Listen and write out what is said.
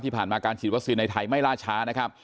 ที่ผ่านมาการฉีดวัคซีนในไทยไม่ล่าช้า